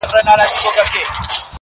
یو ناڅاپه یې زړه ډوب سو حال یې بل سو -